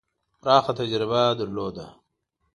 پراخه تجربه درلوده.